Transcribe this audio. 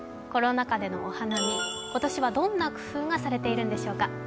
コロナ禍でのお花見、今年はどんな工夫がされているんでしょうか。